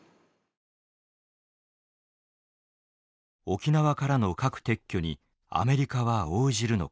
沖縄からの核撤去にアメリカは応じるのか。